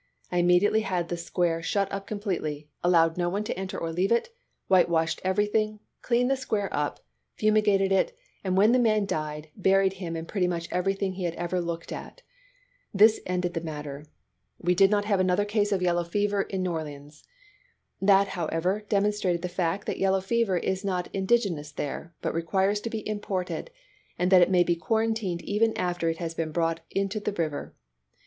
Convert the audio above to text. I immediately had the square shut up completely, allowed no one to enter or leave it, whitewashed everything, cleaned the square up, fumigated it, and when the man died buried him and pretty much everything he had ever looked at. This ended the matter ; we did not 286 ABRAHAM LINCOLN Chap. XVI. liave anothei* ease of yellow fever in New Orleans. That, however, demonstrated the fact that yellow fever is not indigenous there, but requires to be imported, and that it may be quarantined even after it has been brought into the river.